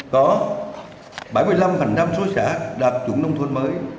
có bảy mươi năm số xã đạt chủng nông thôn mới